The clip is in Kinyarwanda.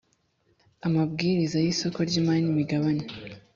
amabwiriza y isoko ry imari n imigabane